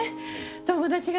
友達がね